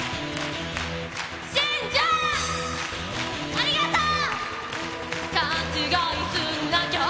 ありがとう！